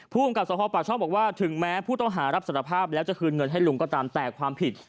ภูมิกับสภปากช่องบอกว่าถึงแม้ผู้ต้องหารับสารภาพแล้วจะคืนเงินให้ลุงก็ตามแต่ความผิด